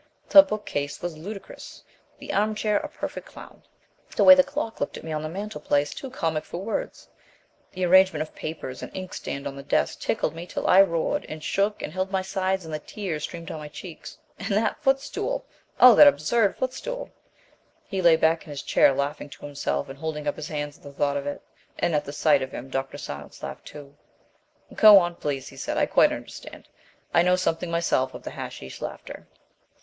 The bookcase was ludicrous, the arm chair a perfect clown, the way the clock looked at me on the mantelpiece too comic for words; the arrangement of papers and inkstand on the desk tickled me till I roared and shook and held my sides and the tears streamed down my cheeks. And that footstool! Oh, that absurd footstool!" He lay back in his chair, laughing to himself and holding up his hands at the thought of it, and at the sight of him Dr. Silence laughed too. "Go on, please," he said, "I quite understand. I know something myself of the hashish laughter."